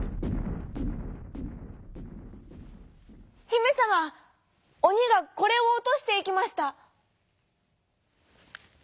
「ひめさまオニがこれをおとしていきました」。